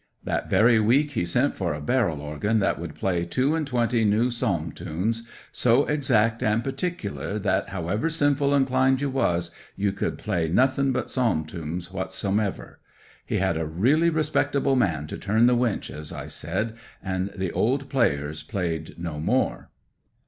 That very week he sent for a barrel organ that would play two and twenty new psalm tunes, so exact and particular that, however sinful inclined you was, you could play nothing but psalm tunes whatsomever. He had a really respectable man to turn the winch, as I said, and the old players played no more.